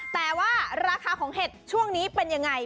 แต่ว่าราคาของเห็ดช่วงนี้เป็นยังไง